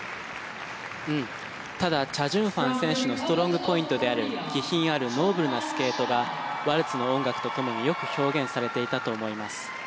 ただチャ・ジュンファン選手のストロングポイントである気品あるノーブルなスケートがワルツの音楽とともによく表現されていたと思います。